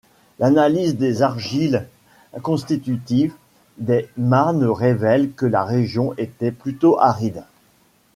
L'analyse des argiles constitutives des marnes révèle que la région était plutôt aride.